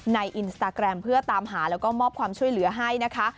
ในอินสตาแกรมเพื่อตามหาแล้วก็มอบความช่วยเหลือให้นะคะ